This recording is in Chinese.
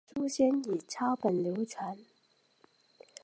此书先以抄本流传。